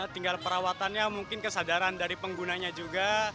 tinggal perawatannya mungkin kesadaran dari penggunanya juga